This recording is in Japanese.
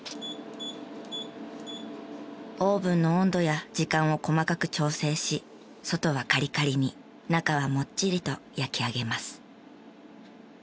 オーブンの温度や時間を細かく調整し外はカリカリに中はもっちりと焼き上げます。